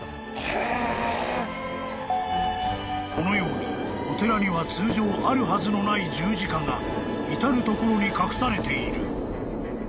［このようにお寺には通常あるはずのない十字架が至る所に隠されている］